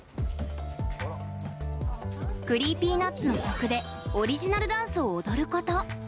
ＣｒｅｅｐｙＮｕｔｓの曲でオリジナルダンスを踊ること。